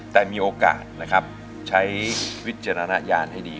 แต่มีโอกาสนะครับใช้วิจารณญาณให้ดี